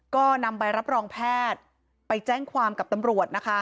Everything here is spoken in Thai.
ก็นำใบรับรองแพทย์ไปแจ้งความกับตำรวจนะคะ